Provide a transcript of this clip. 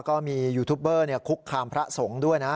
ก็มียูทูปเบอร์คุกคามพระสงฆ์ด้วยนะ